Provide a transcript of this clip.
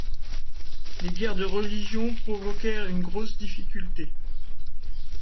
Les Guerres de religion provoquèrent une grosse difficulté.